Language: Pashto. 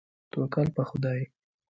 توکل په خدای.